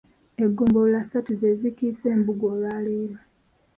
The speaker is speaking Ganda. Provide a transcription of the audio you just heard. Eggombolola ssatu ze zikiise embuga olwaleero.